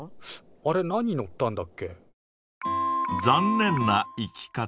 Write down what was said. あれ何乗ったんだっけ？